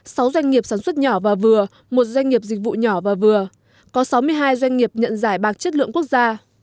sáu doanh nghiệp sản xuất nhỏ và vừa một doanh nghiệp dịch vụ nhỏ và vừa có sáu mươi hai doanh nghiệp nhận giải bạc chất lượng quốc gia